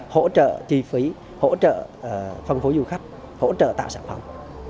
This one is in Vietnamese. hỗ trợ chi phí hỗ trợ phân phối du khách hỗ trợ tạo sản phẩm